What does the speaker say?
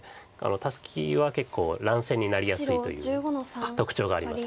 タスキは結構乱戦になりやすいという特徴があります。